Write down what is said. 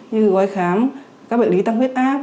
như gói khám các bệnh lý tăng huyết áp